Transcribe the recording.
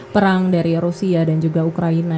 perang dari rusia dan juga ukraina